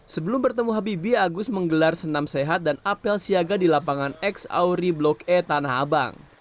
sebelum bertemu habibie agus menggelar senam sehat dan apel siaga di lapangan x auri blok e tanah abang